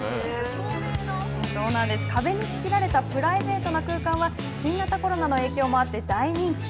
壁に仕切られたプライベートな空間は新型コロナの影響もあって大人気。